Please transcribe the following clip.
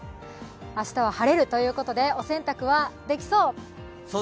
明日は晴れるということでお洗濯はできそう！